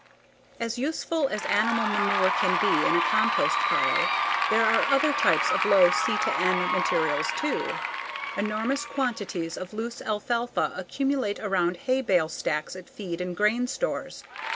As useful as animal manure can be in a compost pile, there are other types of low C/N materials too. Enormous quantities of loose alfalfa accumulate around hay bale stacks at feed and grain stores.